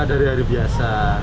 dari hari biasa